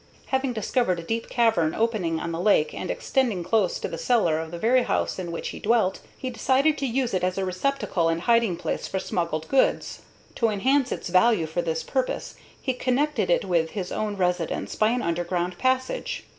Having discovered a deep cavern opening on the lake and extending close to the cellar of the very house in which he dwelt, he decided to use it as a receptacle and hiding place for smuggled goods. To enhance its value for this purpose, he connected it with his own residence by an underground passage.